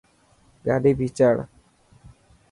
گاڏي ڀيچاڙ.